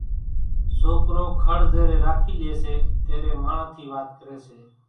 سوڪرو کڙ زيرين راکي لئي سي تيرين ماڻۿان ٿِي وات ڪري سي